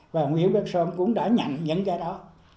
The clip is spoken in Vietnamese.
và ông nguyễn bắc son cũng đã nhận ra đó